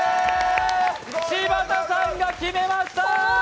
柴田さんが決めました！